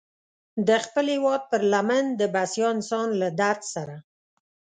د خپل هېواد پر لمن د بسیا انسان له درد سره.